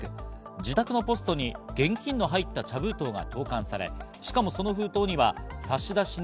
自宅のポストに現金の入った茶封筒が投函され、しかもその封筒には差出人